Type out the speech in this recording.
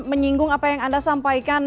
menyinggung apa yang anda sampaikan